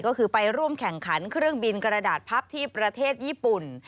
ก็คือไปร่วมแข่งขันเครื่องบินกระดาษพับที่ประเทศญี่ปุ่น